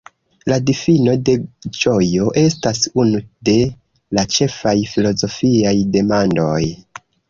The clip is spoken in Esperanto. La difino de ĝojo estas unu de la ĉefaj filozofiaj demandoj.